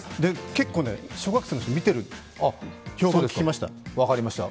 結構、小学生の人見てるという評判を聞きました。